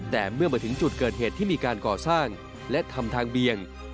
แต่เมื่อมาถึงจุดเกิดเหตุที่มีการก่อสร้างและทำทางเบียง